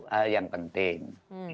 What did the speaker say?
hal yang penting